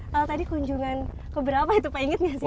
kalau tadi kunjungan ke berapa itu pak ingat nggak sih